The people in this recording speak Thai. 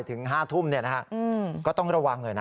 ถึง๕ทุ่มก็ต้องระวังหน่อยนะ